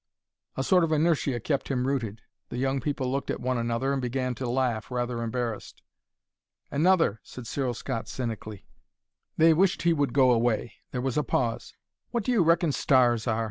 A sort of inertia kept him rooted. The young people looked at one another and began to laugh, rather embarrassed. "Another!" said Cyril Scott cynically. They wished he would go away. There was a pause. "What do you reckon stars are?"